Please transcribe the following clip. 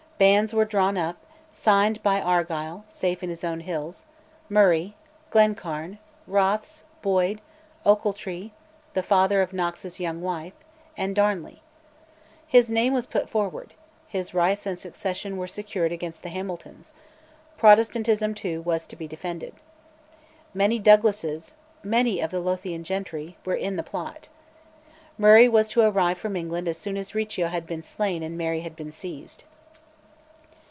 "Bands" were drawn up, signed by Argyll (safe in his own hills), Murray, Glencairn, Rothes, Boyd, Ochiltree (the father of Knox's young wife), and Darnley. His name was put forward; his rights and succession were secured against the Hamiltons; Protestantism, too, was to be defended. Many Douglases, many of the Lothian gentry, were in the plot. Murray was to arrive from England as soon as Riccio had been slain and Mary had been seized.